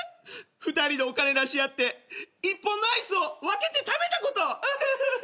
２人でお金出し合って１本のアイスを分けて食べたこと。